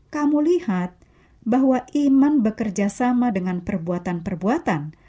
kamu lihat bahwa iman bekerjasama dengan perbuatan perbuatan